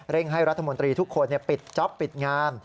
ให้รัฐมนตรีทุกคนปิดจ๊อปปิดงาน